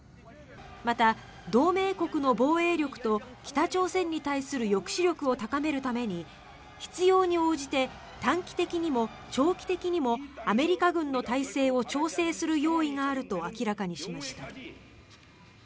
また同盟国の防衛力と北朝鮮に対する抑止力を高めるために必要に応じて短期的にも長期的にもアメリカ軍の態勢を調整する用意があると明らかにしました。